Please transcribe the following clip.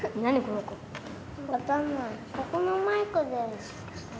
ここのマイクで。